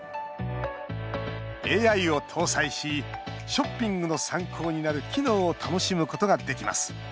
ＡＩを搭載し、ショッピングの参考になる機能を楽しむことができます。